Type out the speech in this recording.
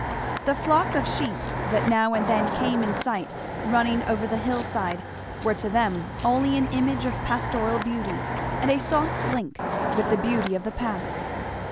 The flock of sheep that now and then came in sight running over the hill side, were to them only an image of pastoral beauty and a soft link with the beauty of the past.